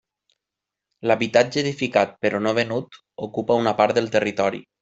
L'habitatge edificat però no venut ocupa una part del territori.